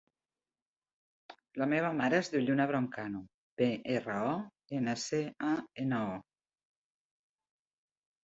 La meva mare es diu Lluna Broncano: be, erra, o, ena, ce, a, ena, o.